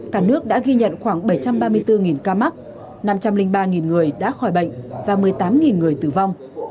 cả nước đã ghi nhận khoảng bảy trăm ba mươi bốn ca mắc năm trăm linh ba người đã khỏi bệnh và một mươi tám người tử vong